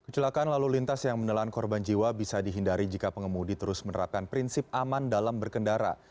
kecelakaan lalu lintas yang menelan korban jiwa bisa dihindari jika pengemudi terus menerapkan prinsip aman dalam berkendara